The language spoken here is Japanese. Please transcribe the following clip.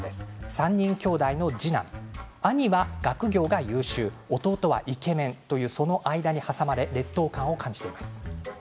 ３人兄弟の次男兄は学業が優秀、弟がイケメンというその間に挟まれ劣等感を感じています。